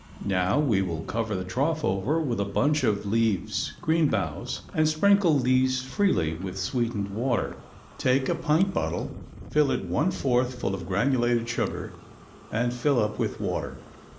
Now we will cover the trough over with a bunch of leaves green boughs and sprinkle these freely with sweetened water. Take a pint bottle, fill it one fourth full of granulated sugar and fill up with water.